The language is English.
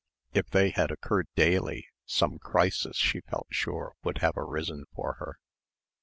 If they had occurred daily, some crisis, she felt sure would have arisen for her.